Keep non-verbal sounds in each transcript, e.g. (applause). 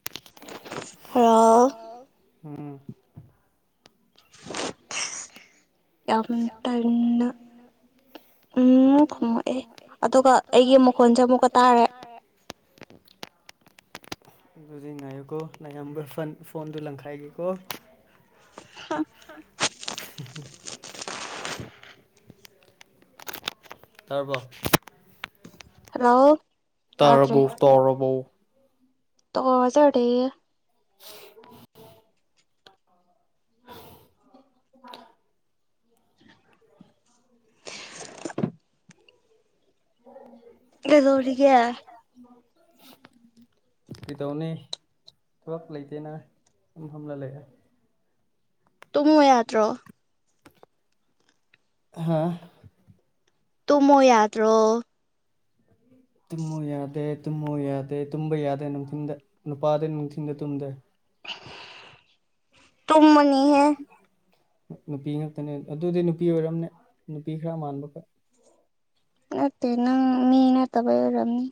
ꯔ (unintelligible) ꯎꯝ ꯌꯥꯝ ꯇꯟꯅ ꯎꯝ ꯐꯝꯃꯑꯦ ꯑꯗꯨꯒ ꯑꯩꯒꯤ ꯃꯈꯣꯟꯁꯦ ꯑꯃꯨꯛꯀ ꯃꯀꯣꯟꯖ ꯃꯀꯥ ꯇꯥꯔꯦ ꯑꯗꯨꯗꯤ ꯉꯥꯏꯌꯨꯀꯣ ꯂꯌꯥꯝꯕ ꯐꯣꯟꯗꯨꯣ ꯂꯪꯈꯥꯏꯒꯦꯀꯣ ꯑ (unintelligible) ꯇꯔꯕ ꯔꯣ ꯇꯥꯔꯔꯕꯣ ꯇꯧꯣꯔꯔꯕꯣ ꯇꯖꯗꯦ ꯀꯗꯧꯔꯤꯒ ꯀꯩꯗꯧꯅꯦ ꯊꯕꯛ ꯂꯩꯇꯦꯅ ꯐꯝꯂ ꯂꯩ ꯍꯥꯏꯦ ꯪꯉ ꯌꯥꯗ꯭ꯔꯣ ꯍꯥ ꯇꯨꯡꯃ ꯌꯥꯗ꯭ꯔꯣ ꯇꯨꯝꯃꯨ ꯌꯥꯗꯦ ꯇꯨꯝꯃꯨ ꯌꯥꯗꯦ ꯇꯨꯝꯕ ꯌꯥꯗꯦ ꯅꯨꯡꯊꯤꯟꯗ ꯅꯨꯄꯥꯗꯤ ꯅꯨꯡꯊꯤꯟꯗ ꯇꯨꯝꯗꯦ ꯇꯨꯝꯃꯅꯤ ꯍꯦ ꯅꯨꯄꯤ ꯉꯥꯛꯛꯇꯅꯦ ꯑꯗꯨꯗꯤ ꯅꯨꯄꯤ ꯑꯣꯏꯔꯝꯅꯦ ꯅꯨꯄꯤ ꯈꯔ ꯃꯥꯟꯕ ꯅꯇꯦ ꯅꯪ ꯃꯤꯅ ꯇꯕꯔꯝꯅꯤ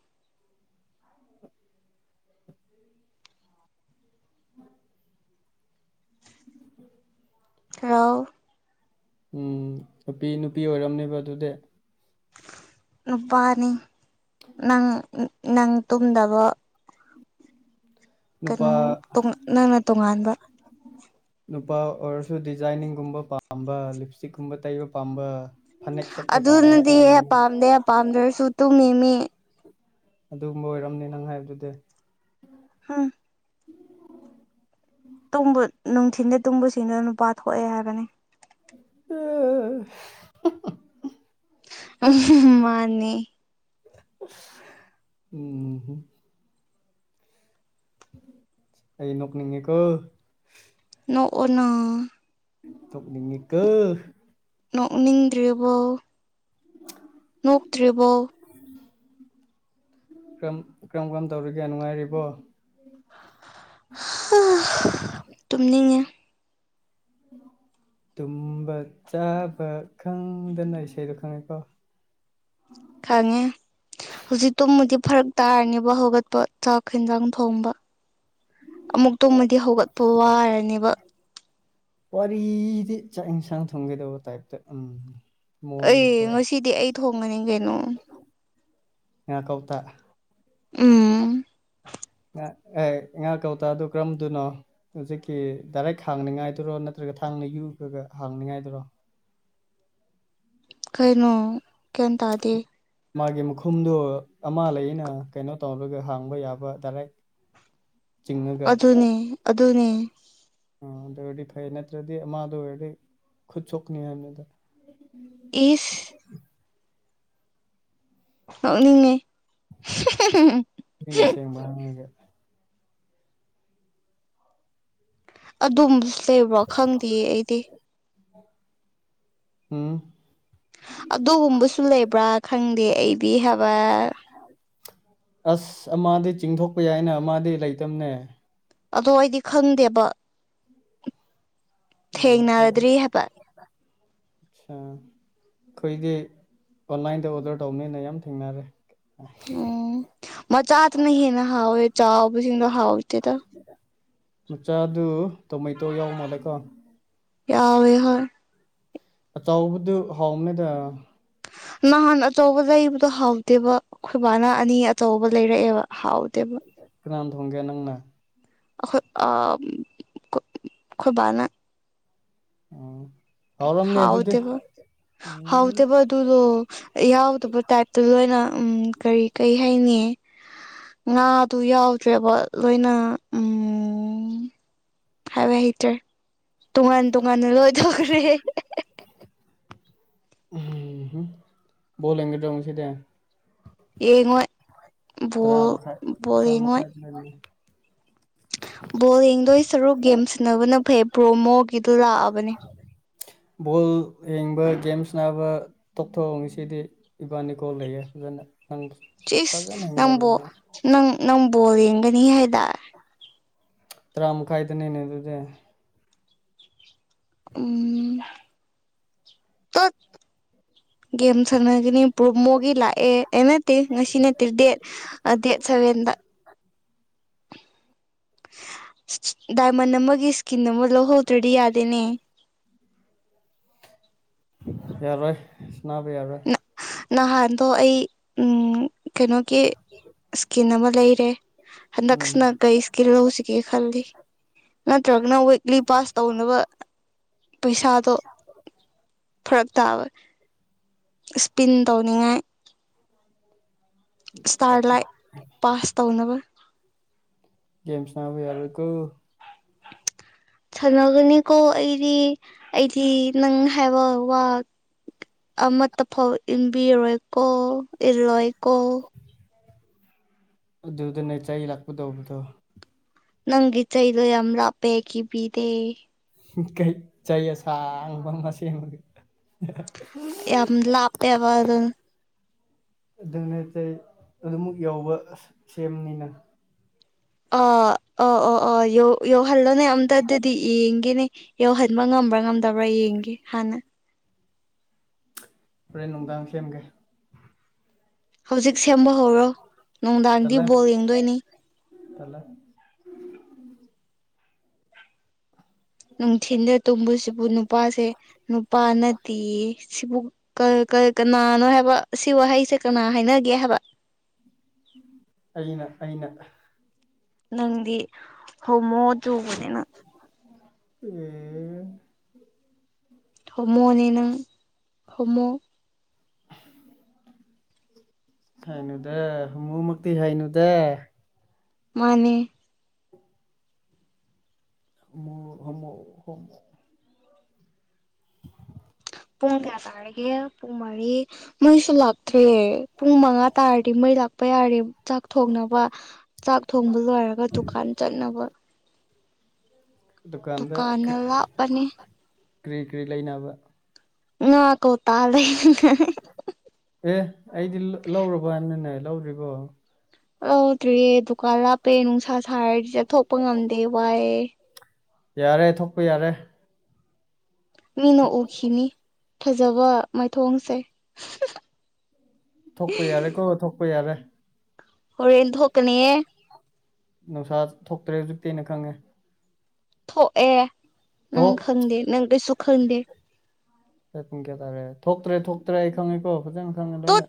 ꯔꯥꯎ ꯎꯝ ꯅꯨꯄꯤ ꯅꯨꯄꯤ ꯑꯣꯏꯔꯝꯅꯦꯕ ꯑꯗꯨꯗꯤ ꯅꯨꯄꯥꯅꯤ ꯅꯪ ꯅꯪ ꯇꯨꯝꯗꯕ ꯅꯨꯄꯥ ꯀꯩꯅꯣ ꯅꯪꯅ ꯇꯣꯉꯥꯟꯕ ꯅꯨꯄꯥ ꯑꯣꯏꯔꯁꯨ ꯗꯤꯖꯥꯏꯅꯤꯡꯒꯨꯝꯕ ꯄꯥꯝꯕ ꯂꯤꯞ ꯏꯁꯇꯤꯛꯀꯨꯝꯕ ꯇꯩꯕ ꯄꯥꯝꯕ ꯐꯅꯦꯛ ꯁꯦꯠꯄ ꯄꯥꯝꯕ ꯈꯣꯏ ꯑꯗꯨꯅꯗꯤ ꯑꯣꯏꯔꯝꯅꯤ ꯑꯄꯥꯝꯗꯦ ꯑꯄꯥꯝꯗ꯭ꯔꯁꯨ ꯇꯨꯝ ꯃꯤ ꯃꯤ ꯑꯗꯨꯒꯨꯝꯕ ꯑꯣꯏꯔꯝꯅꯦ ꯅꯪ ꯍꯥꯏꯕꯗꯨꯗꯤ ꯍꯥꯝ ꯇꯕ ꯅꯨꯡꯊꯤꯟꯗ ꯇꯨꯝꯕꯁꯤꯡꯗꯨ ꯅꯨꯄꯥ ꯊꯣꯛꯑꯦ ꯍꯥꯏꯕꯅꯤ ꯑ (unintelligible) ꯎ ꯃꯥꯅꯦ ꯎꯝ ꯎꯝ ꯑꯩ ꯅꯣꯛꯅꯤꯡꯉꯦꯀꯣ ꯅꯣꯡꯅ (unintelligible) ꯇꯣꯅꯤꯡꯉ ꯀꯣ ꯅꯣꯛꯎꯅꯤꯡꯗ꯭ꯔꯤꯕꯔꯤꯕꯣ ꯅꯣꯛꯇ꯭ꯔꯤꯕꯔꯤꯕꯣ ꯀꯔꯝ ꯀꯔꯝ ꯀꯔꯝ ꯇꯧꯔꯤꯒꯦ ꯅꯨꯡꯉꯥꯏꯔꯤꯕꯣ ꯇꯨꯃꯅꯤꯡꯉꯦ ꯎꯝ ꯇꯨꯝꯕ ꯆꯥꯕ ꯈꯪꯗꯅ ꯏꯁꯩꯗꯣ ꯈꯪꯉꯦꯀꯣ ꯈꯪꯉꯦ ꯍꯧꯖꯤꯛ ꯇꯨꯝꯃꯗꯤ ꯐꯔꯛ ꯇꯥꯔꯅꯦꯕ ꯍꯧꯒꯠꯄ ꯆꯥꯛ ꯌꯦꯟꯖꯥꯡ ꯊꯣꯡꯕ ꯑꯃꯨꯛꯇꯣꯡꯃꯗꯤ ꯍꯧꯒꯠꯄ ꯋꯥꯔꯅꯦꯕ ꯋꯥꯔꯤꯗꯤ ꯆꯥꯛ ꯏꯁꯥꯡ ꯊꯣꯡꯒꯦꯗꯧꯕ ꯇꯥꯏꯞꯇ ꯎꯝ ꯑꯩ ꯃꯑꯣꯡꯗꯀꯣ ꯉꯁꯤꯗꯤ ꯑꯩ ꯊꯣꯡꯒꯅꯤ ꯀꯩꯅꯣ ꯉ ꯀꯧꯇꯥ ꯎꯝ ꯉꯥ ꯑꯦ ꯉꯍꯥꯛ ꯀꯧꯇꯥ ꯑꯗꯨ ꯀꯔꯝꯗꯨꯅꯣ ꯍꯧꯖꯤꯛꯀꯤ ꯗꯥꯏꯔꯦꯛ ꯍꯥꯡꯅꯤꯉꯥꯏꯗꯨꯔꯣ ꯅꯠꯇ꯭ꯔꯒ ꯊꯥꯡꯅ ꯌꯨꯒꯒ ꯍꯥꯡꯅꯤꯉꯥꯏꯗꯨꯔꯣ ꯀꯩꯅꯣ ꯀꯩ ꯇꯥꯗꯦ ꯃꯥꯒꯤ ꯃꯈꯨꯝꯗꯨꯣ ꯑꯃ ꯂꯩꯅ ꯀꯩꯅꯣ ꯇꯧꯔꯒ ꯍꯥꯡꯕ ꯌꯥꯕ ꯗꯥꯏꯔꯦꯛ (unintelligible) ꯑꯗꯨꯅꯤ ꯑꯗꯨꯅꯤ ꯑ ꯑꯗꯨ ꯑꯣꯏꯔꯗꯤ ꯐꯩ ꯅꯠꯇ꯭ꯔꯗꯤ ꯑꯃꯗ ꯑꯣꯏꯔꯗꯤ ꯈꯨꯠꯁꯨꯣꯛꯅꯤ ꯍꯥꯏꯅꯤꯗ ꯏ ꯅꯣꯛꯅꯤꯡꯉꯦ꯫ ꯃꯤꯅ ꯑꯁꯦꯡꯕ ꯍꯥꯏꯔꯒ꯫ ꯑꯗꯨꯝꯕꯁꯨ ꯂꯩꯕ꯭ꯔꯣ ꯈꯪꯗꯦꯌꯦ ꯑꯩꯗꯤ꯫ ꯎꯪ ꯑꯗꯨꯒꯨꯝꯕꯁꯨ ꯂꯩꯕ꯭ꯔꯥ ꯈꯪꯗꯦ ꯑꯩꯗꯤ ꯍꯥꯏꯕ꯫ ꯑꯁ ꯑꯃꯗꯤ ꯆꯤꯡꯊꯣꯛꯄ ꯌꯥꯏꯅ ꯑꯃꯗꯤ ꯂꯩꯇꯕꯅꯦ꯫ ꯑꯗꯣ ꯑꯩꯗꯤ ꯈꯪꯗꯦꯕ꯫ ꯊꯦꯡꯅꯗ꯭ꯔꯤ ꯍꯥꯏꯕ꯫ ꯁ ꯑꯩꯈꯣꯏꯗꯤ ꯑꯣꯟꯂꯥꯏꯟꯗ ꯑꯣꯗꯔ ꯇꯧꯕꯅꯤꯅ ꯌꯥꯝ ꯊꯦꯡꯅꯔꯦ꯫ ꯑꯣ ꯃꯆꯥꯇꯅ ꯍꯦꯟꯅ ꯍꯥꯎꯋꯦ ꯆꯥꯎꯕꯁꯤꯡꯗꯣ ꯍꯥꯎꯇꯦꯗ꯫ ꯃꯆꯥꯗꯨ ꯇꯣꯃꯩꯇꯣ ꯌꯥꯎ ꯃꯥꯜꯂꯦꯀꯣ꯫ ꯌꯥꯎꯋꯦ ꯍꯣꯏ꯫ ꯑꯆꯧꯕꯗꯨ ꯍꯥꯎꯅꯦꯗ꯫ ꯅꯍꯥꯟ ꯑꯆꯧꯕ ꯂꯩꯕꯗꯣ ꯍꯥꯎꯇꯦꯕ ꯑꯩꯈꯣꯏꯕꯥꯅ ꯑꯅꯤ ꯑꯆꯧꯕ ꯂꯩꯔꯛꯑꯦꯕ ꯍꯥꯎ ꯀꯅꯥꯅ ꯊꯣꯡꯒꯦ ꯅꯪꯅ? ꯑꯩꯈꯣꯏ ꯑ ꯑꯝ ꯈꯣꯏ ꯕꯥꯅ꯫ ꯎꯝ ꯍꯥꯎꯔꯝꯅꯦ ꯑꯗꯨꯗꯤ ꯍꯥꯎꯇꯦꯕ ꯎꯝ ꯍꯥꯎꯇꯦꯕ ꯑꯗꯨꯗꯣ ꯌꯥꯎꯗꯕꯩ ꯇꯥꯏꯞꯇ ꯂꯣꯏꯅ ꯎꯝ ꯀꯔꯤ ꯀꯔꯤ ꯍꯥꯏꯅꯤ ꯉꯥꯗꯨ ꯌꯥꯎꯗ꯭ꯔꯦꯕ ꯂꯣꯏꯅ ꯎꯝ ꯍꯥꯏꯕ ꯍꯩꯇ꯭ꯔꯦ ꯇꯣꯉꯥꯟ ꯇꯣꯉꯥꯟꯅ ꯂꯣꯏꯊꯣꯛꯈ꯭ꯔꯦ꯫ ꯎꯝꯍꯝ ꯕꯣꯜ ꯌꯦꯡꯒꯗ꯭ꯔꯣ ꯉꯁꯤꯗꯤ? ꯌꯦꯉꯣꯏ ꯇ꯭ꯔꯥ ꯃꯈꯥꯏ ꯇ꯭ꯔꯥ ꯃꯥꯏ ꯁ꯭ꯋꯥꯏꯗꯅꯤ ꯕꯣꯜ ꯌꯦꯡꯗꯣꯏ ꯁꯔꯨꯛ ꯒꯦꯝ ꯁꯟꯅꯕꯅ ꯐꯩ ꯄ꯭ꯔꯣꯃꯣꯒꯤꯗꯣ ꯂꯥꯛꯑꯕ ꯕꯣꯜ ꯌꯦꯡꯕ ꯒꯦꯝ ꯁ꯭ꯅꯥꯕ ꯇꯣꯛꯊꯣꯛꯑꯣ ꯉꯁꯤꯗꯤ ꯏꯕꯥꯅꯤ ꯀꯣꯜ ꯂꯩꯌꯦ ꯐꯖꯅ ꯅꯪ ꯆꯤꯁ ꯐꯖꯅ ꯅꯪꯕꯨ ꯌꯦꯡꯗꯕꯅꯤꯅ ꯅꯪ ꯅꯪ ꯕꯣꯜ ꯌꯦꯡꯒꯅꯤ ꯍꯥꯏꯗꯥꯏ? ꯇꯔꯥꯃꯈꯥꯏꯗꯅꯤꯅꯦ ꯑꯗꯨꯗꯤ꯫ ꯎꯝ ꯇꯨꯠ ꯒꯦꯝ ꯁꯥꯟꯅꯒꯅꯤ ꯄ꯭ꯔꯣꯃꯣꯒꯤ ꯂꯥꯛꯑꯦ꯫ ꯑꯦ ꯅꯠꯇꯦ ꯉꯁꯤ ꯅꯠꯇꯦ ꯗꯦꯠ ꯗꯦꯠ ꯁꯚꯦꯟꯗ꯫ ꯗꯥꯏꯃꯟ ꯑꯃꯒꯤ ꯁꯀꯤꯟ ꯑꯃ ꯂꯧꯍꯧꯗ꯭ꯔꯗꯤ ꯌꯥꯗꯦꯅꯦ꯫ ꯌꯥꯔꯣꯏ ꯁ꯭ꯅꯕ ꯌꯥꯔꯣꯏ꯫ ꯅꯍꯥꯟꯗꯣ ꯑꯩ ꯎꯝ ꯀꯩꯅꯣꯒꯤ ꯁ꯭ꯀꯤꯟ ꯑꯃ ꯂꯩꯔꯦ꯫ ꯎꯝ ꯍꯟꯗꯛꯁꯤꯅ ꯀꯩ ꯁ꯭ꯀꯤꯜ ꯂꯧꯁꯤꯒꯦ ꯈꯜꯂꯤ꯫ ꯅꯠꯇ꯭ꯔꯒꯅ ꯋꯤꯛꯂꯤ ꯄꯥꯁ ꯇꯧꯅꯕ ꯄꯩꯁꯥꯗꯣ ꯐꯔꯛ ꯇꯥꯕ꯫ ꯁ꯭ꯄꯤꯟ ꯇꯧꯅꯤꯡꯉꯥꯏ (unintelligible) ꯁ꯭ꯇꯥꯔ ꯂꯥꯏꯠ ꯄꯥꯁ ꯇꯧꯅꯕ ꯒꯦꯝ ꯁ꯭ꯅꯥꯕ ꯌꯥꯔꯣꯏꯀꯣ꯫ ꯁꯥꯟꯅꯒꯅꯤꯀꯣ ꯑꯩꯗꯤ ꯑꯩꯗꯤ ꯅꯪ ꯍꯥꯏꯕ ꯋꯥ ꯑꯃꯠꯇ ꯐꯥꯎ ꯏꯟꯕꯤꯔꯣꯏꯀꯣ ꯏꯜꯂꯣꯏꯀꯣ꯫ ꯑꯗꯨꯗꯅꯦ ꯆꯩ ꯂꯥꯛꯀꯗꯧꯕꯗꯨ ꯅꯪꯒꯤ ꯆꯩꯩꯗꯣ ꯌꯥꯝ ꯂꯥꯞꯄꯦ ꯀꯤꯕꯤꯗꯦ꯫ ꯍꯝ ꯀꯩ ꯆꯩ ꯑꯁꯥꯡꯕꯃ ꯁꯦꯝꯒꯦ꯫ ꯌꯥꯝ ꯂꯥꯞꯄꯦꯕ ꯑꯗꯨꯅ ꯑꯗꯨꯅ ꯆꯩ ꯑꯗꯨꯃꯨꯛ ꯌꯧꯕ ꯑꯁ ꯁꯦꯝꯅꯤꯅ ꯑ ꯑ ꯑꯣ ꯑ ꯌꯧ ꯌꯧꯍꯜꯂꯣꯅꯦ ꯑꯝꯇꯗꯗꯤ ꯌꯦꯡꯒꯦꯅꯦ ꯌꯧꯍꯟꯕ ꯉꯝꯕ꯭ꯔꯥ ꯉꯝꯗꯕ꯭ꯔꯥ ꯌꯦꯡꯒꯦ ꯍꯥꯟꯅ ꯐꯔꯦ ꯅꯨꯡꯗꯥꯡ ꯁꯦꯝꯦꯝꯒꯦ ꯍꯧꯖꯤꯛ ꯁꯦꯝꯕ ꯍꯧꯔꯣ ꯅꯨꯡꯗꯥꯡꯗꯤ ꯕꯣꯜ ꯌꯦꯡꯗꯣꯏꯅꯤ ꯇꯂꯦ ꯅꯨꯡꯊꯤꯟꯜꯗ ꯇꯨꯝꯕꯁꯤꯕꯨ ꯅꯨꯄꯥꯁꯦ ꯅꯨꯄꯥꯅꯠꯇꯦ ꯁꯤꯕꯨ ꯀꯅꯥꯅꯣ ꯍꯥꯏꯕ ꯁꯤ ꯋꯥꯍꯩꯁꯦ ꯀꯅꯥ ꯍꯥꯏꯅꯒꯦ ꯍꯥꯏꯕ ꯑꯩꯅ ꯑꯩꯅ ꯅꯪꯗꯤ ꯍꯃꯣꯗ ꯍꯕꯅꯦꯦꯅ ꯎꯝ ꯍꯣꯃꯣꯅꯤꯅ ꯍꯣꯃꯣ (unintelligible) ꯍꯥꯏꯅꯨꯗ ꯃꯨꯃꯛꯇꯤ ꯍꯥꯏꯥꯏꯅꯨꯗ ꯃꯥꯅꯦ ꯍꯃ ꯄꯨꯡ ꯀꯌꯥ ꯇꯥꯔꯒꯦ ꯄꯨꯡ ꯃꯔꯤ ꯃꯩꯁꯨ ꯂꯥꯛꯇ꯭ꯦ ꯄꯨꯡ ꯃꯉꯥ ꯇꯥꯔꯗꯤ ꯃꯩ ꯂꯥꯛ ꯆꯄ ꯌꯥꯔꯦ ꯆꯥꯛ ꯊꯣꯡꯅꯕ ꯆꯥꯛ ꯊꯣꯡꯕ ꯂꯣꯏꯔꯒ ꯗꯨꯀꯥꯟ ꯆꯠꯅꯕ (unintelligible) ꯗꯨꯀꯥꯟꯗ ꯗꯨꯀꯅ ꯂꯥꯛꯕꯅꯤ ꯀꯔꯤ ꯀꯔꯤ ꯂꯩꯅꯕ ꯉ ꯀ ꯇꯥ ꯂꯩꯅꯦ ꯑꯦ ꯑꯩꯗꯤ ꯂꯧꯨꯔꯕꯅꯅꯦ ꯂꯧꯔꯤꯕꯣ ꯂꯧꯗ꯭ꯔꯤꯦ ꯗꯨꯀꯥꯟ ꯂꯥꯞꯄꯦ ꯅꯨꯡꯁꯥ ꯁꯥꯔꯗꯤ ꯆꯠꯊꯣꯛꯄ ꯉꯝꯗꯦ ꯋꯥꯏꯑꯦ ꯌꯥꯔꯦ ꯊꯣꯛꯄ ꯌꯥꯔꯦ ꯃꯤꯅ ꯎꯈꯤꯅꯤ ꯐꯖꯕ ꯃꯥꯏꯊꯣꯡꯁꯦ ꯊꯣꯛꯄ ꯌꯥꯔꯦꯀꯣ ꯊꯣꯛꯄ ꯌꯥꯔꯦ ꯑꯣꯔꯦꯟ ꯇ ꯍꯣ ꯀꯅꯤꯦ ꯅꯨꯡꯁꯥ ꯊꯣꯛꯇ꯭ꯔꯦ ꯍꯧꯖꯤꯛꯇꯤꯅ ꯈꯪꯉꯦ ꯊꯣꯛꯑꯦ ꯅꯪ ꯊꯣꯛ ꯈꯪꯗꯦ ꯅꯪ ꯀꯩꯁꯨ ꯈꯪꯗꯦ ꯑꯩ ꯄꯨꯡ ꯀꯌꯥ ꯇꯥꯔꯦ ꯊꯣꯛꯇ꯭ꯔꯦ ꯊꯣꯛꯇ꯭ꯔꯦ ꯑꯩ ꯈꯪꯉꯦꯀꯣ ꯐꯖꯅ ꯈꯪꯉꯦ ꯂꯣꯏꯅ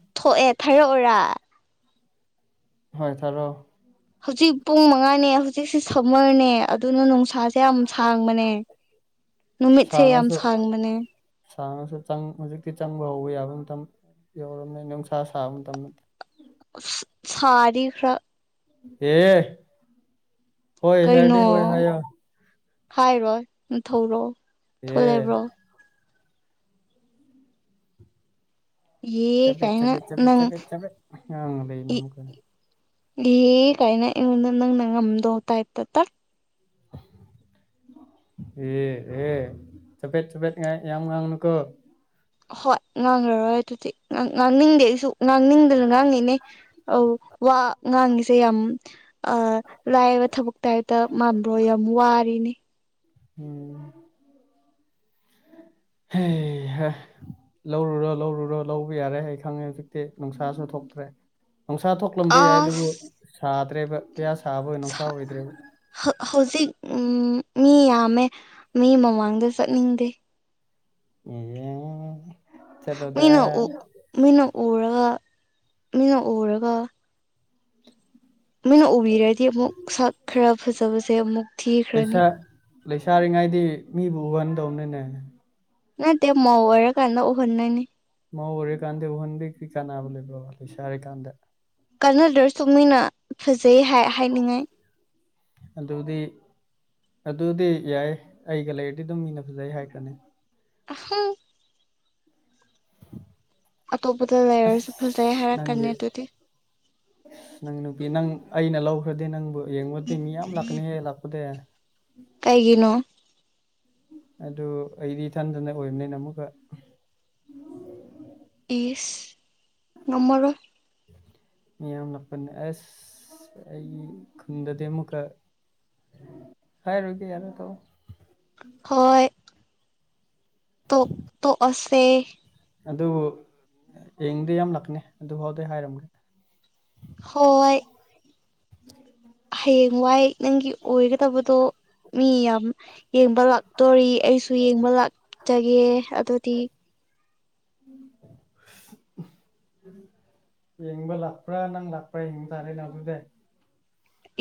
ꯊꯔꯛꯔ ꯍꯣꯏ ꯊꯔꯣ ꯍꯧꯖꯤꯛ ꯄꯨꯡ ꯃꯉꯥꯅꯦ ꯍꯧꯖꯤꯛꯁꯦ ꯁꯝꯃꯔꯅꯦ ꯑꯗꯨꯅ ꯅꯨꯡꯁꯥꯁꯦ ꯌꯥꯝ ꯁꯥꯡꯕꯅꯦ ꯅꯨꯃꯤꯠꯁꯦ ꯌꯥꯝ ꯁꯥꯡꯕꯅꯦ ꯁꯥꯥꯡꯉꯁꯨ ꯆꯪ ꯍꯧꯖꯤꯛꯇꯤ ꯆꯪꯕ ꯍꯧꯕ ꯌꯥꯕ ꯃꯇꯝ ꯌꯧꯔꯕꯝꯃꯦ ꯅꯨꯡꯁꯥ ꯁꯥꯕ ꯃꯇꯝꯗ ꯁꯔ ꯈ (unintelligible) ꯑꯦ ꯍꯣꯏ ꯀꯩꯅꯣ ꯍꯥꯏꯔꯗꯤ ꯍꯣꯏ ꯍꯥꯏꯌ‌ꯦ ꯍꯥꯏꯔꯣꯏ ꯅꯊꯧꯔꫭ ꯑꯦ ꯌꯦ ꯆꯥꯒꯠ ꯀꯥꯏꯅ ꯆꯥꯒꯠ ꯆꯥꯒꯠ ꯅꯪ ꯆꯥꯒꯠ ꯆꯥꯒꯠ ꯉꯥꯡꯉꯥ ꯂꯩꯗꫭ ꯀꯩꯅꫭ ꯑꯦ ꯀꯥꯏꯅ ꯑꯩꯉꫭꯟꯗ ꯅꯪꯅ ꯉꯝꯗꯧ ꯇꯥꯏꯞꯇ ꯇꯠ (unintelligible) ꯑꯦ ꯑꯦ ꯆꯄꯠ ꯆꯄꯗ ꯉ ꯌꯥꯝ ꯉꯥꯡꯒꯅꯨꯀꯣ ꯍꯣꯏ ꯉꯥꯡꯉꯔꯣꯏ ꯑꯗꯨꯗꯤ ꯉꯥꯡꯅꯤꯡꯗꯦ ꯑꯩꯁꯨ ꯉꯥꯡꯅꯤꯡ ꯑꯗꯨꯅ ꯉꯥꯡꯉꯤꯅꯦ ꯑꯧ ꯋꯥ ꯉꯥꯡꯉꯤꯁꯦ ꯌꯥꯝ ꯂꯥꯏꯕ ꯑꯥ ꯊꯕꯛ ꯇ ꯀꯥꯏꯇꯥ (unintelligible) ꯃꯥꯟꯕ꯭ꯔꯣ ꯌꯥꯝ ꯋꯥꯔꯤꯅꯤ ꯎꯝ ꯍꯩꯍꯥ ꯂꯧꯔꯨꯔꯣ ꯂꯧꯔꯨꯔꯣ ꯂꯧꯕ ꯌꯥꯔꯦ ꯑꯩ ꯈꯪꯉꯦ ꯍꯧꯖꯤꯛꯇꯤ ꯅꯨꯡꯁꯥꯁꯨ ꯊꯣꯛꯇ꯭ꯔꯦ ꯅꯨꯡꯁꯥ ꯊꯣꯛꯂꯝꯕ ꯌꯥꯏ ꯑꯗꯨꯕꯨ ꯑꯁ ꯁꯥꯗ꯭ꯔꯦꯕ ꯀꯌꯥ ꯁꯥꯕ ꯅꯨꯡꯁꯥ ꯑꯣꯏꯗ꯭ꯔꯦꯕ ꯍꯧꯖꯤꯛ ꯎꯝ ꯃꯤ ꯌꯥꯝꯃꯦ ꯃꯤ ꯃꯃꯥꯡꯗ ꯆꯠꯅꯤꯡꯗꯦ ꯑꯣ (unintelligible) ꯃꯤꯅ ꯃꯤꯅ ꯎꯔꯒ ꯃꯤꯅ ꯎꯔꯒ ꯃꯤꯅ ꯎꯕꯤꯔꯗꯤ ꯑꯃꯨꯛ ꯁꯛ ꯈꯔ ꯐꯖꯕꯁꯦ ꯑꯃꯨꯛ ꯊꯤꯈ꯭ꯔꯅꯤ ꯑꯗꯨꯗꯤ ꯃꯤꯕꯨ ꯎꯍꯟꯗꯧꯅꯤꯅꯦ ꯅꯠꯇ‌ꯦ ꯃꯧ ꯑꫭꯏꯔꯥ ꯀꯥꯟꯗ ꯎꯍꯟꯗꫭꯏꯅꯤ ꯃꯧ ꯑꫭꯏꯔꯥ ꯀꯥꯟꯗ ꯎꯍꯟꯕꯩꯗꯤ ꯀꯥꯟꯅꯥꯕ ꯂꯩꯕꯔꫭ ꯂꯩꫪꯁꯥꯔꯤ ꯀꯥꯟꯗ ꯀꯥꯟꯅꯗ꯭ꯔꯁꯨ ꯃꯤꯅ ꯐꯖꯩ ꯍꯥꯏ ꯍꯥꯏꯅꯤꯡꯉꯥꯏ ꯑꯗꯨꯗꯤ ꯑꯗꯨꯗꯤ ꯌꯥꯏ ꯑꯩꯒ ꯂꯩꯔꯗꯤ ꯑꯗꯨꯝ ꯃꯤꯅ ꯐꯖꯩ ꯍꯥꯏꯈ꯭ꯔꯅꯤ ꯑꯍꯨꯝ ꯑꯇꯣꯞꯄꯗ ꯂꯩꯔꯁꯨ ꯐꯖꯩ ꯍꯥꯏꯔꯛꯀꯅꯤ ꯑꯗꯨꯗꯤ ꯑꯁ ꯅꯪ ꯅꯨꯄꯤ ꯅꯪ ꯑꯩꯅ ꯂꯧꯈ꯭ꯔꯗꯤ ꯅꯪꯕꯨ ꯌꯦꯡꯕꯗꯤ ꯃꯤ ꯌꯥꯝ ꯂꯥꯛꯀꯅꯤꯍꯦ ꯂꯥꯛꯄꯗꯤ ꯀꯥꯏꯒꯤꯅꯣ ꯑꯗꯨ ꯑꯩꯗꯤ ꯏꯊꯟꯗꯅ ꯑꯣꯏꯕꯅꯤꯅ ꯑꯃꯨꯛꯀ ꯏꯤꯁ ꯉꯝꯃꯔꫭꯏ ꯃꯤꯌꯥꯝꯅꯄꯟꯅ ꯑꯁ ꯑꯩꯒꯤ ꯈꯨꯟꯗꯗꯤ ꯑꯃꯨꯛꯀ ꯍꯔꯔꫭꯒ‌ꯦ ꯌꯥꯔꯦ ꯊꯝꯃꫭ ꯍꯣꯏ ꯇꯣ ꯇꫭꯛ ꯑꯁꯦ ꯑꯗꯨꯕꯨ ꯌꯦꯡꯗꯤ ꯌꯥꯝ ꯂꯛꯀꯅꯤ ꯑꯗꯨ ꯍꯐꯥꯎꯗꯤ ꯍꯥꯏꯔꯝꯃꯒꯦ ꯍꯣꯏ ꯎꯝ (unintelligible) ꯍꯌꯦꯡꯡ ꯋꯥꯏ ꯅꯪꯒꯤ ꯑꯣꯏꯒꯗꯕꯗꯣ ꯃꯤ ꯌꯥꯝ ꯌꯦꯡꯕ ꯂꯥꯛꯇꯣꯔꯤ ꯑꯩꯁꯨ ꯌꯦꯡꯕ ꯂꯥꯛꯆꯒꯦ ꯑꯗꯨꯗꯤ ꯎꯝ (unintelligible) ꯌꯦꯡꯕ ꯂꯥꯛꯄ꯭ꯔꯥ ꯅꯪ ꯂꯥꯛꯄ꯭ꯔꯥ ꯌꯦꯡꯕ ꯇꯥꯔꯦ ꯅꯪ ꯑꯗꯨꯗ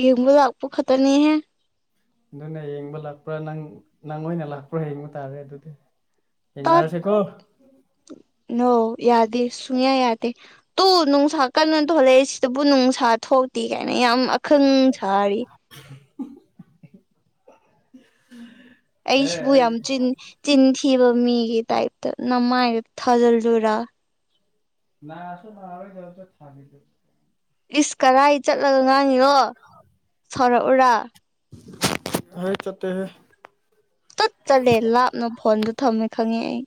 ꯌ‌ꯦꯡꯕ ꯂꯛꯄꯥ ꯈꯛꯇꯅꯤꯍ‌ꯦ ꯑꯗꯨꯅ ꯌꯦꯡꯕ ꯂꯥꯛꯄ꯭ꯔꯥ ꯅꯪ ꯅꯪ ꯑꯣꯏꯅ ꯂꯥꯛꯄ꯭ꯔꯥ ꯌꯦꯡꯕ ꯇꯥꯔꯦ ꯑꯗꯨꯗꯤ ꯇꯠ ꯌꯦꯅꯔꯁꯦ ꯀꯣ ꯅꯣ ꯌꯥꯗ ꯁꯨꯡꯌꯥ ꯌꯥꯗ ꯇꯨ ꯅꯨꯡꯁꯥ ꯀꯟꯅ ꯊꯣꯛꯂꯛꯑ‌ꯦ ꯁꯤꯗꯕꯨ ꯅꯨꯡꯁꯥ ꯊꯣꯛꯇꯦ ꯀꯥꯏꯅ ꯌꯥꯝ ꯄꯈꯪ ꯁꯔꯤ (inaudible) ꯑꯦ ꯑꯩꯁꯤꯕꯨ ꯑꯩ ꯌꯥꯝ ꯆꯤꯟ ꯆꯤꯟꯊꯤꯕꯝꯃꯤ ꯃꯤꯒꯤ ꯇꯥꯏꯞꯇ ꯅꯃꯥꯗ ꯊꯖꯜꯂꯨꯔꯥ ꯅ ꯑꯁꯨꯝ ꯃꯥꯔꯛꯇ ꯊꯝꯅꯤꯗꯨ ꯏꯁ ꯀꯔꯥꯏ ꯆꯠꯂꯒ ꯉꯥꯡꯉꯤꯔꯣ ꯁꯥꯎꯔꯛꯎꯔꯥ ꯍꯥꯏ ꯆꯠꯇ ꯍ ꯆꯠ ꯆꯠꯂꯦ ꯂꯥꯞꯅ ꯐꯣꯟꯗ ꯊꯝꯃꯦ ꯈꯪꯉꯦ ꯑꯩ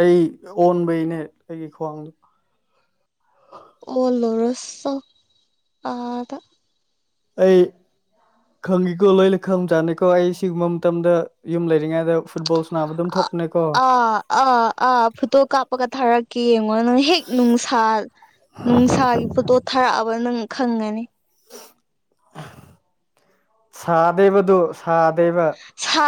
ꯑꯩ ꯑꯣꯟꯕꯩꯅꯦ ꯑꯩꯒꯤ ꯈ꯭ꯋꯥꯡꯗꯣ ꯑꯣꯂꯔꯁꯣ ꯑꯗ ꯑꯩ ꯈꯪꯉꯤꯀꯣ ꯂꯣꯏꯅ ꯈꯪꯕꯖꯥꯅꯤꯀꯣ ꯑꯩ ꯁꯤꯒꯨꯝꯕ ꯃꯇꯝꯗ ꯌꯨꯝ ꯂꯩꯔꯤꯉꯩꯗ ꯐꯨꯠꯕꯣꯜ ꯁꯥꯟꯅꯕ ꯑꯗꯨꯝ ꯑ ꯊꯣꯛꯄꯅꯦꯀꯣ ꯑꯥ ꯑꯥ ꯑꯥ ꯐ ꯀꯥꯄ ꯊꯥꯔꯛꯀꯦ ꯌꯦꯡꯉꯣ ꯅꯪ ꯍꯦꯛ ꯅꯨꯡꯁꯥ ꯅꯨꯡꯁꯥꯒꯤ ꯄꯣꯇꯣ ꯊꯥꯔꯛꯑꯕ ꯅꯪ ꯈꯪꯒꯅꯤ ꯁꯥꯗꯦꯕꯗꯨ ꯁꯥꯗꯦꯕ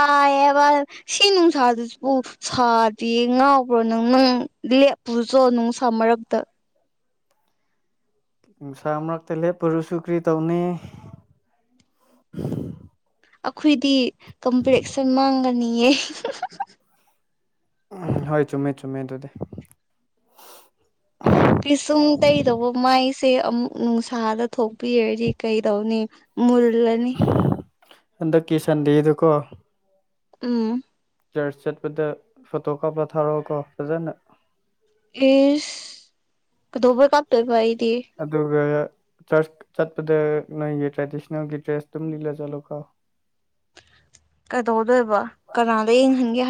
ꯁꯥꯏꯌꯦꯕ ꯁꯤ ꯅꯨꯡꯁꯥꯗꯨꯁꯨꯕꯨ ꯁꯥꯗꯦ ꯉꯥꯎꯕ꯭ꯔꯣ ꯅꯪ ꯅꯪ ꯄꯨꯖꯣ ꯅꯨꯡꯁꯥꯃꯔꯔꯕꯗ ꯅꯨꯡꯁꯥ ꯃꯔꯛꯇ ꯂꯦꯞꯄꯔꯨꯁꯨꯨ ꯀ꯭ꯔꯤ ꯇꯧꯅꯤ ꯑꯩꯈꯣꯏꯗꯤ ꯀꯝꯄꯤꯇꯦꯛꯁꯟ ꯃꯥꯡꯒꯅꯤꯌꯦ ꯍꯣꯏ ꯆꯨꯝꯃꯦ ꯆꯨꯝꯃꯦ ꯑꯗꯨꯗꯤ ꯁꯦ ꯑꯃꯨꯛ ꯅꯨꯡꯁꯥꯗ ꯊꯣꯛꯄꯤꯔꯗꯤ ꯀꯩꯗꯧꯅꯤ ꯃꯨꯜꯂꯅꯤ ꯍꯟꯗꯀꯤ ꯁꯟꯗꯦꯗꯨꯀꯣ ꯎꯝ ꯖꯔꯁ ꯆꯠꯄꯗ ꯐꯣꯇꯣ ꯀꯥꯞꯂ ꯊꯥꯔꯛꯣꯑꯣꯀꯣ ꯐꯖꯅ ꯑꯦ ꯀꯊꯕꯔ ꯀꯞꯇ ꯑꯣꯏ ꯄꯏꯗꯤ ꯑꯗꯨꯒ ꯆꯔꯆ ꯆꯠꯄꯗ ꯅꯣꯏꯒꯤ ꯇ꯭ꯔꯦꯗꯤꯁꯅꯦꯜꯒꯤ ꯗ꯭ꯔꯦꯁ ꯑꯗꯨꯝ ꯂꯤꯂ ꯆꯠꯂꯣꯀꯣ ꯀꯩꯗꯧꯗꯣꯏꯕ ꯀꯅꯥꯗ ꯌꯦꯡꯍꯟꯒꯦ ꯍꯥꯏ